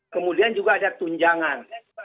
kemudian juga ada tunjangan